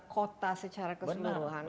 kota secara keseluruhan